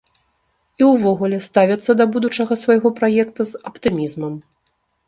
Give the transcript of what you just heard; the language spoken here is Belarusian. І ўвогуле ставяцца да будучага свайго праекта з аптымізмам.